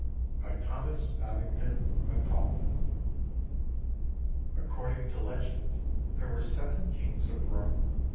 ] BY THOMAS BABINGTON MACAULAY [According to legend, there were seven kings of Rome.